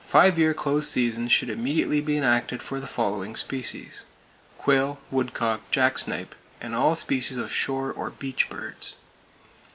Five year close seasons should immediately be enacted for the following species: quail, woodcock, jacksnipe and all species of shore or "beach" birds.